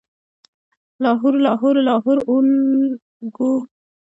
لاهور، لاهور، لاهور اولګوو